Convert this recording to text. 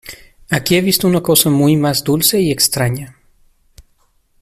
Aquí he visto una cosa muy más dulce y extraña.